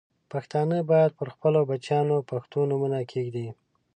پښتانه باید پر خپلو بچیانو پښتو نومونه کښېږدي.